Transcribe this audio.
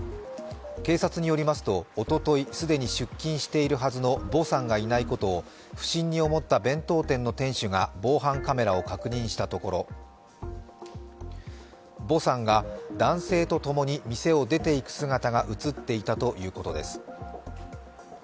警察によりますと、おととい既に出勤しているはずのヴォさんがいないことを不審に思った弁当店の店主が防犯カメラを確認したところヴォさんが男性と共に店を出ていく姿が映っていたということです。